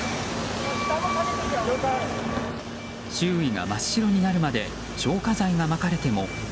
周囲が真っ白になるまで消火剤がまかれても。